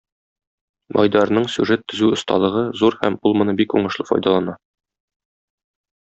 Айдарның сюжет төзү осталыгы зур һәм ул моны бик уңышлы файдалана.